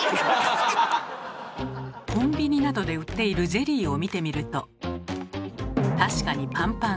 コンビニなどで売っているゼリーを見てみると確かにパンパン。